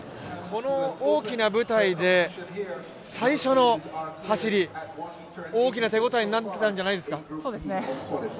この大きな舞台で最初の走り大きな手応えになったんじゃないですか？